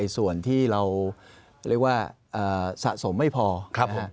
ส่วนที่เราเรียกว่าสะสมไม่พอครับผม